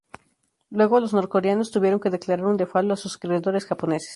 Luego, los norcoreanos tuvieron que declarar un default a sus acreedores japoneses.